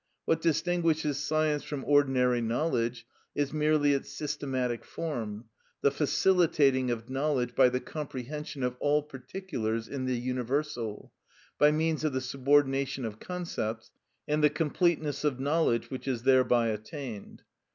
What distinguishes science from ordinary knowledge is merely its systematic form, the facilitating of knowledge by the comprehension of all particulars in the universal, by means of the subordination of concepts, and the completeness of knowledge which is thereby attained.